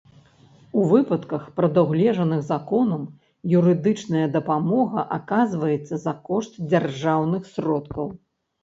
У выпадках, прадугледжаных законам, юрыдычная дапамога аказваецца за кошт дзяржаўных сродкаў.